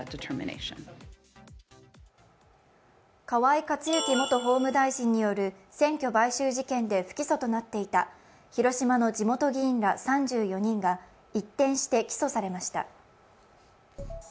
河井克行元法務大臣による選挙買収事件で不起訴となっていた広島の地元議員ら３４人が一転して起訴されました。